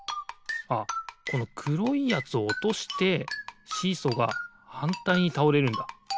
あっこのくろいやつをおとしてシーソーがはんたいにたおれるんだ。